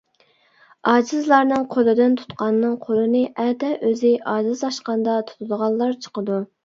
ئاجىزلارنىڭ قولىدىن تۇتقاننىڭ قولىنى ئەتە ئۆزى ئاجىزلاشقاندا تۇتىدىغانلار چىقىدۇ.